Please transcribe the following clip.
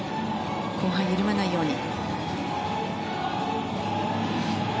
後半、緩まないように。